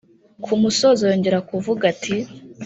Ku musozo yongera kuvuga ati